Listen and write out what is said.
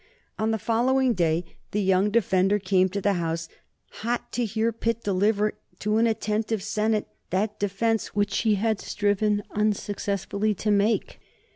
On the following day the young defender came to the House hot to hear Pitt deliver to an attentive senate that defence which he had striven unsuccessfully to make.